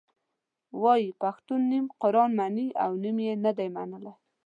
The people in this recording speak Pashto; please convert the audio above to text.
وایي پښتنو نیم قرآن منلی او نیم یې نه دی منلی.